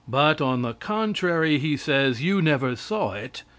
But, on the contrary, he says, "You never saw it."